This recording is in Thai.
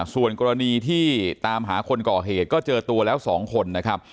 ส่วนกรณีที่ตามหาคนก่อเหตุก็เจอตัวแล้ว๒คนนะครับ